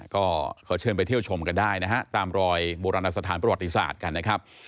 ก็เขาเชิญไปเที่ยวชมกันได้นะฮะตามรอยโบราณสถานประวัติศาสตร์กันนะครับ